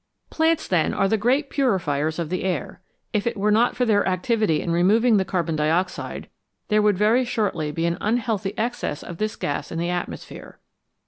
Plants, then, are the great purifiers of the air ; if it were not for their activity in removing the carbon dioxide, there would very shortly be an unhealthy excess of this gas in the atmosphere.